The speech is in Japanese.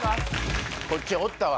こっちおったわ